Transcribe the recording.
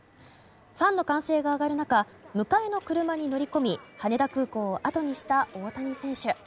ファンの歓声が上がる中迎えの車に乗り込み羽田空港をあとにした大谷選手。